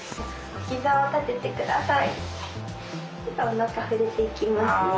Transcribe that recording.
おなか触れていきますね。